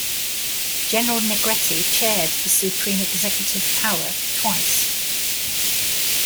General Negrete chaired the Supreme Executive Power twice.